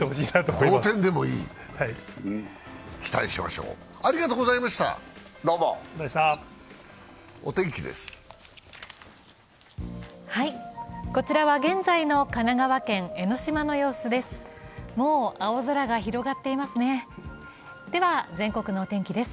こちらは現在の神奈川県江の島の様子です。